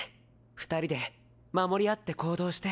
２人で守り合って行動して。